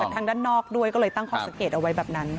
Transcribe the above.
ทางด้านนอกด้วยก็เลยตั้งข้อสังเกตเอาไว้แบบนั้น